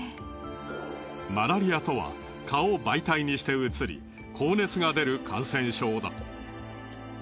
マラリアとは蚊を媒体にしてうつり高熱が出る感染症だ。